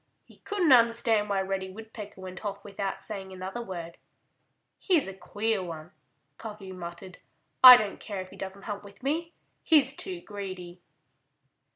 He couldn't understand why Reddy Woodpecker went off without saying another word. "He's a queer one," Cuffy muttered. "I don't care if he doesn't hunt with me. He's too greedy."